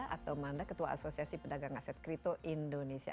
atau manda ketua asosiasi pedagang aset kripto indonesia